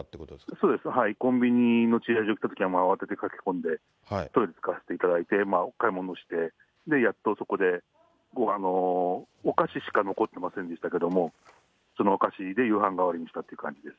そうです、はい、コンビニの駐車場に行ったときに、慌てて駆け込んで、トイレ貸していただいて、買い物をして、で、やっとそこでお菓子しか残ってませんでしたけど、そのお菓子で夕飯代わりにしたという感じです。